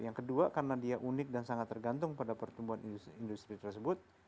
yang kedua karena dia unik dan sangat tergantung pada pertumbuhan industri tersebut